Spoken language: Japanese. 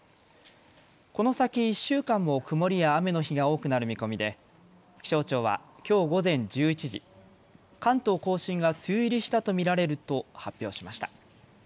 この先１週間も曇りや雨の日が多くなる見込みで気象庁はきょう午前１１時、関東甲信が梅雨入りしたと見られると発表しました。